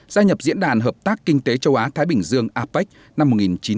gia nhập diễn đàn hợp tác kinh tế châu á thái bình dương apec năm một nghìn chín trăm chín mươi